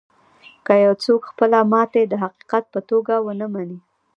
که يو څوک خپله ماتې د حقيقت په توګه و نه مني.